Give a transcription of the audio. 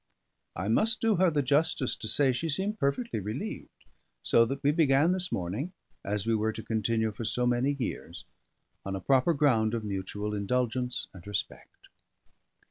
I must do her the justice to say she seemed perfectly relieved; so that we began this morning, as we were to continue for so many years, on a proper ground of mutual indulgence and respect.